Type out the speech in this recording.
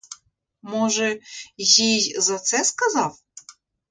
Може, їй за це сказав?